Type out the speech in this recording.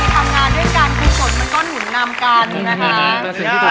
ตามมีทำงานด้วยการผู้สนมันก็หนุนนำกันนะคะ